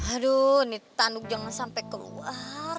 aduh ini tanduk jangan sampai keluar